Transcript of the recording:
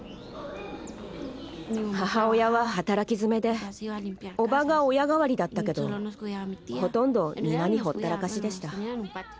母親は働きづめで叔母が親代わりだったけどほとんど庭にほったらかしでした。